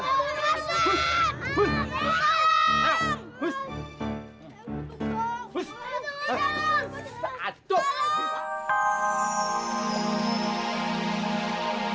ruslan tika didi abdul